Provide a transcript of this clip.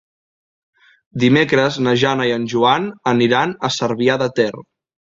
Dimecres na Jana i en Joan aniran a Cervià de Ter.